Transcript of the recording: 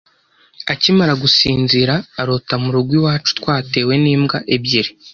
akimara gusinzira arota mu rugo iwacu twatewe n’imbwa ebyiri